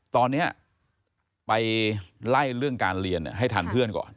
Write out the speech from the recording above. ตอนนี้ไปไล่เรื่องการเรียนให้ทันเพื่อนก่อน